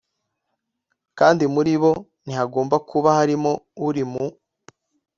kandi muri bo ntihagomba kuba harimo uri mu